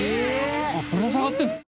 ぶら下がってるの？